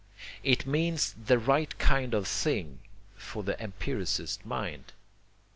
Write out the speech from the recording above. It means the right kind of thing for the empiricist mind.